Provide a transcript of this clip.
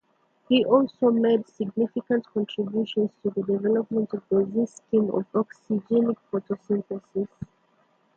He also made significant contributions to the development of the Z-scheme of oxygenic photosynthesis.